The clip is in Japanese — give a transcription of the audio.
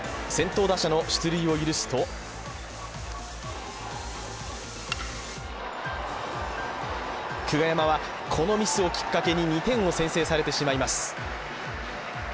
先頭打者の出塁を許すと久我山は、このミスをきっかけに２点を先制されてしまいます。